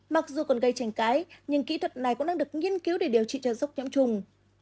mặc dù còn gây tranh cãi nhưng kỹ thuật này cũng đang được nghiên cứu để điều trị cho sốc nhiễm trùng